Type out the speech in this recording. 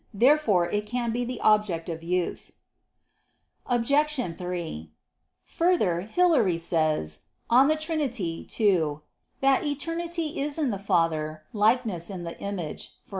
Therefore it can be the object of use. Obj. 3: Further, Hilary says (De Trin. ii) that "Eternity is in the Father, Likeness in the Image," i.e.